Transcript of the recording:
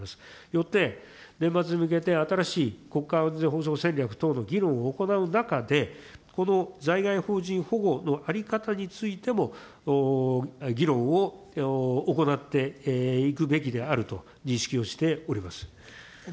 よって、年末に向けて新しい国家安全保障戦略等の議論を行う中で、この在外邦人保護の在り方についても、議論を行っていくべきであると認識をしております。